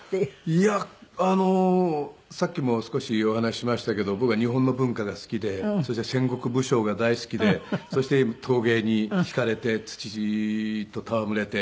いやさっきも少しお話ししましたけど僕は日本の文化が好きでそして戦国武将が大好きでそして陶芸にひかれて土と戯れて。